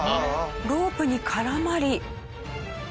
ロープに絡まり。